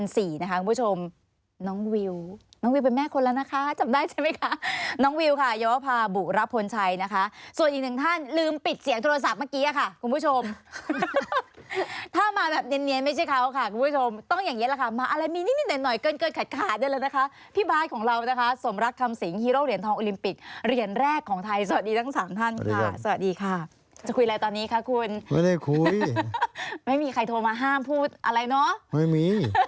ส่วนอีกหนึ่งท่านลืมปิดเสียงโทรศัพท์เมื่อกี้ค่ะคุณผู้ชมถ้ามาแบบเนียนไม่ใช่เขาค่ะคุณผู้ชมต้องอย่างเยอะแหละค่ะมาอารมณ์มีนิดหน่อยเกินขาดด้วยแล้วนะคะพี่บาทของเรานะคะสมรักคำสิงฮีโร่เหรียญทองอุลิมปิกเหรียญแรกของไทยสวัสดีทั้งสามท่านค่ะสวัสดีค่ะจะคุยอะไรตอนนี้คะคุณไม่ได้